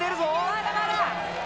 まだまだ！